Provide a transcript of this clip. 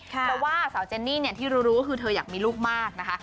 แต่ว่าสาวเจนนี่เนี่ยที่รู้คือเธออยากมีลูกมากนะคะ